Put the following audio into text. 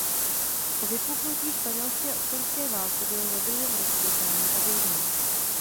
Po vypuknutí španělské občanské války byl zadržen republikány a vězněn.